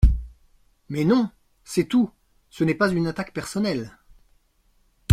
Mais non ! C’est tout ! Ce n’est pas une attaque personnelle.